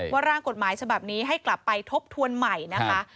ร่างกฎหมายฉบับนี้ให้กลับไปทบทวนใหม่นะคะ